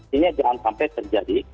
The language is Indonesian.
sehingga jangan sampai terjadi